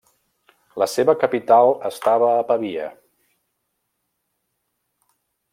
La seva capital estava a Pavia.